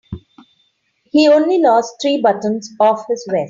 He only lost three buttons off his vest.